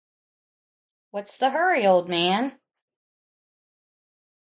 What's the hurry, old man?